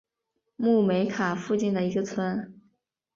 穆梅卡附近的一个村。